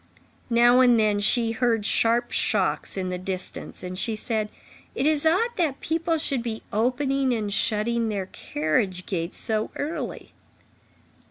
Now and then, she heard sharp shocks in the distance, and she said: "It is odd that people should be opening and shutting their carriage gates so early."